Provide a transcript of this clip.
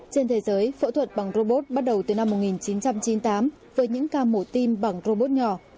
trên thế giới phẫu thuật bằng robot bắt đầu từ năm một nghìn chín trăm chín mươi tám với những ca mổ tim bằng robot nhỏ